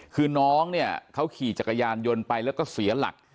คือน้องเขาขี่จักรยานโยนไปและเสียหลัก